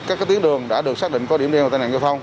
các tuyến đường đã được xác định có điểm đen và tai nạn giao thông